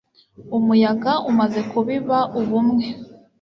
umuyaga umaze kubiba ubumwe